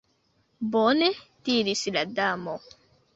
"Bone," diris la Damo.